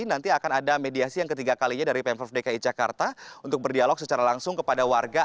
nanti akan ada mediasi yang ketiga kalinya dari pemprov dki jakarta untuk berdialog secara langsung kepada warga